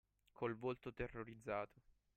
Col volto terrorizzato